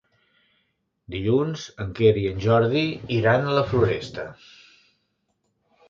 Dilluns en Quer i en Jordi iran a la Floresta.